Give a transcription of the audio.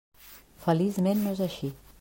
Feliçment no és així.